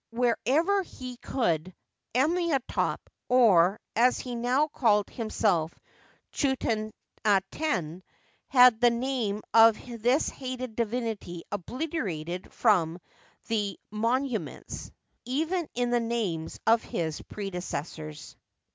Wherever he could, Amenhotep, or, as he now called himself, Chuenaten, had the name of this hated divinity obliterated from the monu ments, even in the names of his predecessors.